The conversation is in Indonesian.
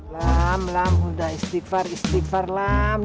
lam lam udah istighfar istighfar lah